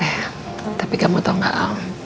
eh tapi kamu tau gak